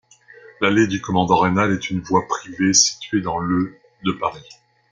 L'allée du Commandant-Raynal est une voie privée située dans le de Paris.